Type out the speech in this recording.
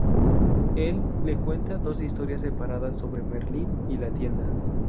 Él le cuenta dos historias separadas sobre Merlín y la tienda.